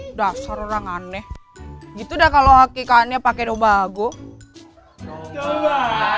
udah sorang aneh gitu udah kalau hakikatnya pakai dobago dobago